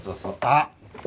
あっ。